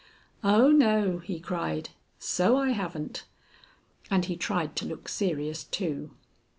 "Oh, no," he cried, "so I haven't"; and he tried to look serious too.